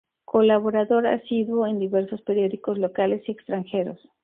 Colaborador asiduo en diversos periódicos locales y extranjeros.